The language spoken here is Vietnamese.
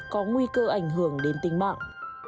có nguy cơ ảnh hưởng đến tinh mạng